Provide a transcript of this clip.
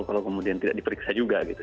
kalau kemudian tidak diperiksa juga gitu